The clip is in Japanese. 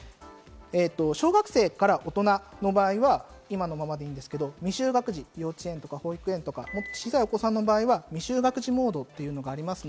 小学生から大人の場合は今のままでいいんですけど、未就学児、幼稚園、保育園とか小さいお子さんの場合は未就学児モードというのがあります。